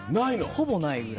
ほぼないぐらい。